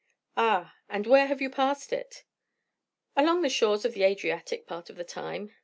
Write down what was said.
"Ah! And where have you passed it?" "Along the shores of the Adriatic, part of the time.